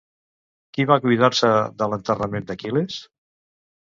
Qui va cuidar-se de l'enterrament d'Aquil·les?